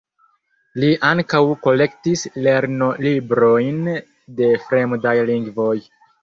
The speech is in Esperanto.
Li ankaŭ kolektis lernolibrojn de fremdaj lingvoj.